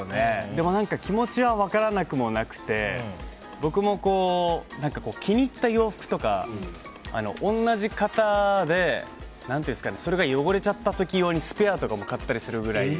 でも、気持ちは分からなくもなくて、僕も気に入った洋服とか同じ型でそれが汚れちゃった時用にスペアとかも買ったりするくらい。